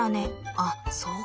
あっそうか